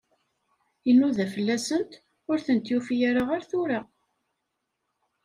Inuda fell-asent, ur tent-yufi ara ar tura.